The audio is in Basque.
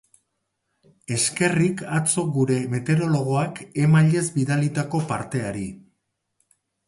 Eskerrik atzo gure meteorologoak e-mailez bidalitako parteari.